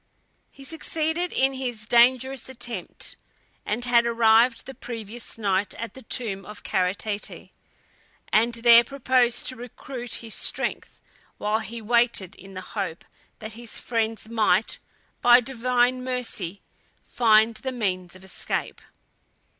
He succeeded in his dangerous attempt, and had arrived the previous night at the tomb of Kara Tete, and there proposed to recruit his strength while he waited in the hope that his friends might, by Divine mercy, find the means of escape.